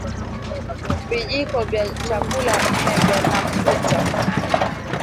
Vijiko vya chakula nne vya nafuta